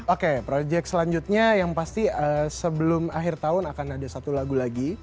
oke project selanjutnya yang pasti sebelum akhir tahun akan ada satu lagu lagi